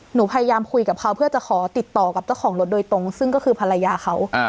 หนูพยายามคุยกับเขาเพื่อจะขอติดต่อกับเจ้าของรถโดยตรงซึ่งก็คือภรรยาเขา